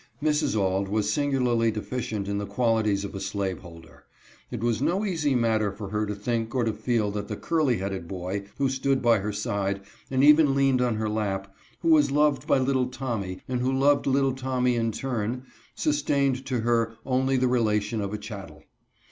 Mrs. Auld was singularly deficient in the qualities of a slaveholder. It was no easy matter for her to think or to feel that the curly headed boy, who stood by her side, and even leaned on her lap, who was loved by little Tom my, and who loved little Tommy in turn, sustained to her only the relation of a chattel.